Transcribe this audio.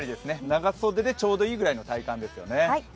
長袖でちょうどいいぐらいの体感ですよね。